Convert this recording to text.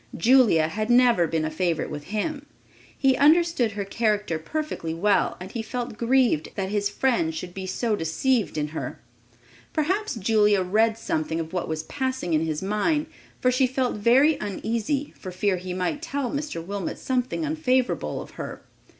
Julia had never been a favorite with him. He understood her character perfectly well and he felt grieved that his friend should be so deceived in her. Perhaps Julia read something of what was passing in his mind; for she felt very uneasy for fear he might tell Mr. Wilmot something unfavorable of her.